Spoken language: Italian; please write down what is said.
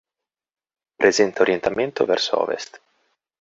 Presenta orientamento verso ovest.